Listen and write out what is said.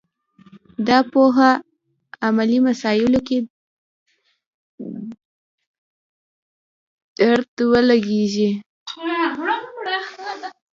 دا پوهه علمي مسایلو کې درد ولګېږي